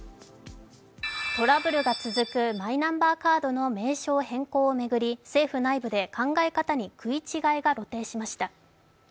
トラブルが続くマイナンバーカードの名称変更を巡り、政府内部で考え方に食い違いが露呈しました。